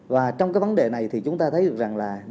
và trong cái vấn đề này thì chúng ta thấy được rằng là